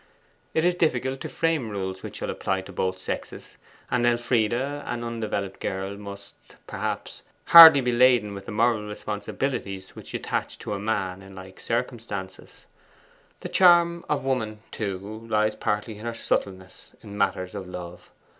It is difficult to frame rules which shall apply to both sexes, and Elfride, an undeveloped girl, must, perhaps, hardly be laden with the moral responsibilities which attach to a man in like circumstances. The charm of woman, too, lies partly in her subtleness in matters of love.